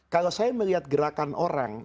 kalau saya melihat gerakan orang